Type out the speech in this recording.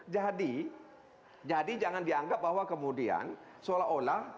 jadi jadi jangan dianggap bahwa kemudian seolah olah